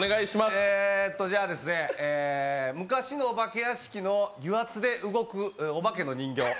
じゃあ、昔のお化け屋敷の油圧で動くお化けの人形。